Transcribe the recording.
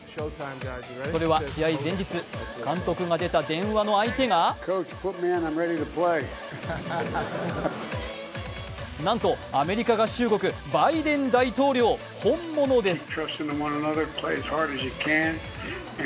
それは試合前日、監督が出た電話の相手がなんとアメリカ合衆国バイデン大統領、本物です。